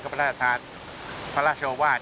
นักฟุตบอลมาราชทานพระราชโอวาท